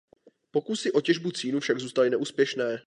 Pokusy o těžbu cínu však zůstaly neúspěšné.